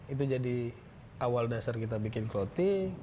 itu jadi awal dasar kita bikin roti